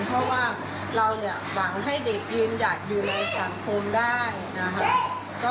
เพราะว่าเราเนี่ยหวังให้เด็กยืนหยัดอยู่ในสังคมได้นะครับ